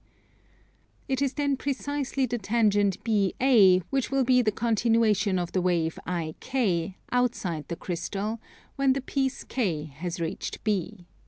It is then precisely the tangent BA which will be the continuation of the wave IK, outside the crystal, when the piece K has reached B.